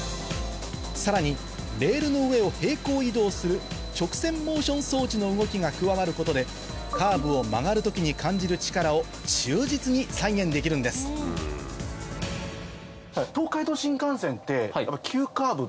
さらにレールの上を平行移動する直線モーション装置の動きが加わることでカーブを曲がる時に感じる力を忠実に再現できるんですそうですね